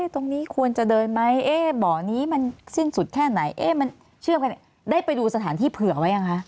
ควรจะเดินไหมบ่อนี้มันสิ้นสุดแค่ไหนมันเชื่อมกันได้ไปดูสถานที่เผื่อไว้ยังคะ